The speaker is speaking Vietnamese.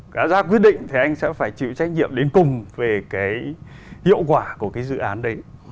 đã ra quyết định thì anh sẽ phải chịu trách nhiệm đến cùng về cái hiệu quả của cái dự án đấy